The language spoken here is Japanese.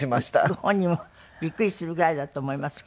ご本人もビックリするぐらいだと思いますけれども。